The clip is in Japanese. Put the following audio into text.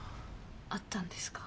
あったんですか？